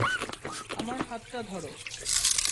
আমার হাতটা ধরো।